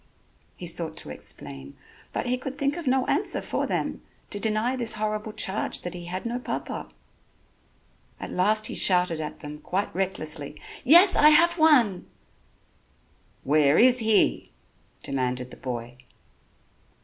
He sought to explain, but he could think of no answer for them, to deny this horrible charge that he had no papa. At last he shouted at them quite recklessly: "Yes, I have one." "Where is he?" demanded the boy.